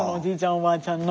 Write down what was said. おばあちゃんの。